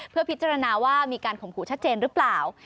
เพื่อพิจารณาว่ามีการข่มขู่ชัดเจนหรือเปล่า